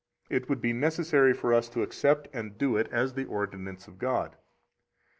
it would be necessary for us to accept and do it as the ordinance of God.